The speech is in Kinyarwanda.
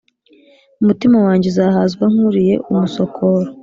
Umutima wanjye uzahazwa nk uriye umusokoro